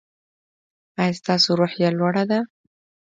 ایا ستاسو روحیه لوړه ده؟